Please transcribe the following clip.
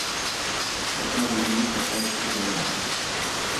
Chacun de nous s’attache également.